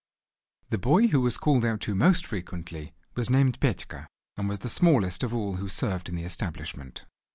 The boy, who was called out to most frequently, was named Petka, and was the smallest of all who served in the establishment.